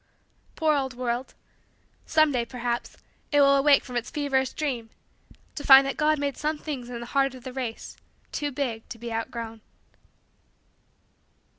Poor old world! Someday, perhaps, it will awake from its feverish dream to find that God made some things in the heart of the race too big to be outgrown.